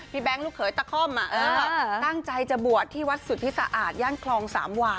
พี่แบงค์ลูกเขยตะคอมตั้งใจจะบวชที่วัดสุดที่สะอาดญั่งคลองสามหวา